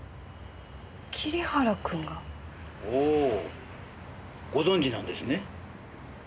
桐原君が？おおご存じなんですね。